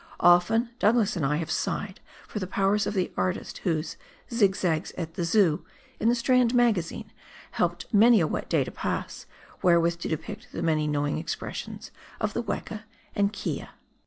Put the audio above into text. Often have Douglas and I sighed for the powers of the artist, whose "Zigzags at the Zoo" in the Strand Magazine helped many a wet day to pass, wherewith to depict the many know ing expressions of the weka and kea.